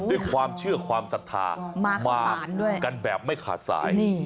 ด้วยความเชื่อความศรัทธามาด้วยกันแบบไม่ขาดสาย